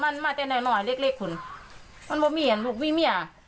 มันไม่มีเห็นลูกมีเมีย